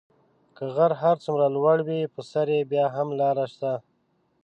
که غر هر څومره لوړ وي په سر یې بیا هم لاره شته .